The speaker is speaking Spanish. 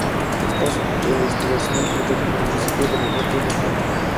Estas estribaciones protegen al municipio de los vientos del norte.